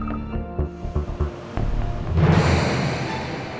tante aku mau nyelepon